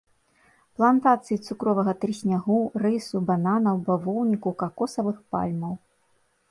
Плантацыі цукровага трыснягу, рысу, бананаў, бавоўніку, какосавых пальмаў.